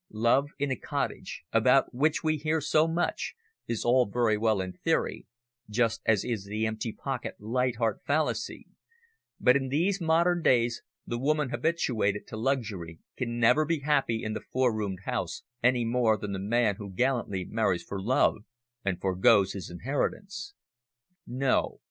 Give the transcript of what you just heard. Love in a cottage about which we hear so much is all very well in theory, just as is the empty pocket light heart fallacy, but in these modern days the woman habituated to luxury can never be happy in the four roomed house any more than the man who gallantly marries for love and foregoes his inheritance. No.